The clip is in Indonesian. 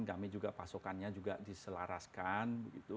kami juga pasokannya juga diselaraskan